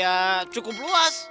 ya cukup luas